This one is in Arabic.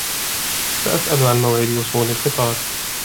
سأسأل عن موعد وصول القطار.